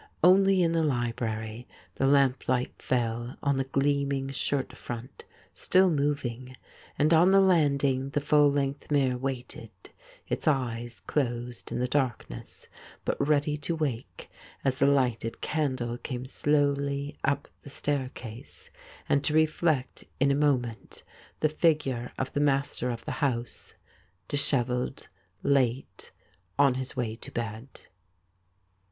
Only in the libraiy the lamplight fell on the gleaming shirt front, still moving. And on the landing the full length mirror waited, its eyes closed in the darkness, but ready to wake as the lighted candle came slowly up the staircase, and to reflect in a moment the figure of the master of the house, dishevelled, late, on his way to bed.